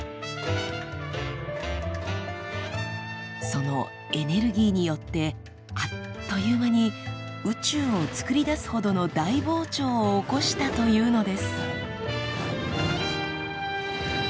そのエネルギーによってあっという間に宇宙をつくり出すほどの大膨張を起こしたというのです。